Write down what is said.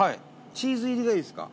チーズ入りがいいですか？